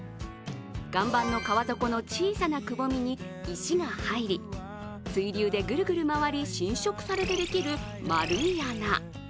岩盤の川底の小さなくぼみに石が入り、水流でぐるぐる回り浸食されてできる丸い穴。